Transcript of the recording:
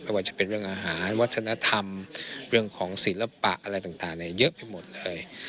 ว่าจะเป็นเรื่องอาหารวัฒนธรรมเรื่องของศิลปะอะไรต่างเยอะไปหมดเลย